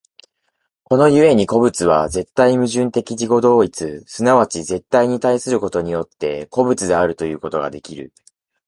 この故に個物は絶対矛盾的自己同一、即ち絶対に対することによって、個物であるということができる。